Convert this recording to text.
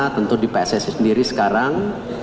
tentu di pssi sendiri sekarang